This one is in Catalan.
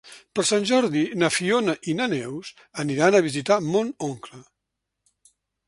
Per Sant Jordi na Fiona i na Neus aniran a visitar mon oncle.